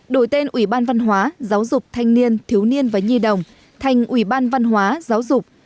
đổi tên ủy ban văn hóa giáo dục thanh niên thiếu niên và nhi đồng thành ủy ban văn hóa giáo dục